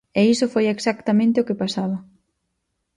E iso foi exactamente o que pasaba.